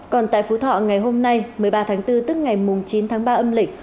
còn tại phú thọ ngày hôm nay một mươi ba tháng bốn tức ngày chín tháng ba âm lịch